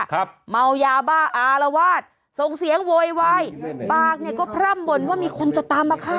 เมายาบ้าอารวาสส่งเสียงโวยวายปากเนี่ยก็พร่ำบ่นว่ามีคนจะตามมาฆ่า